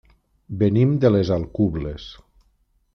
Venim de les Alcubles.